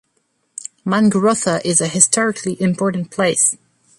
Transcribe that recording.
Mangrotha is historically important place.